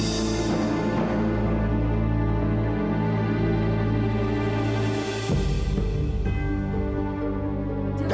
aku mau ke jakarta